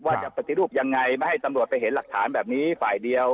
ปฏิรูปยังไงไม่ให้ตำรวจไปเห็นหลักฐานแบบนี้ฝ่ายเดียว